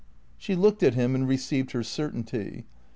She looked at him and received her certainty.